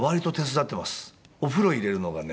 お風呂入れるのがね